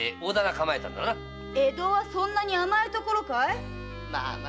江戸はそんなに甘い所かい？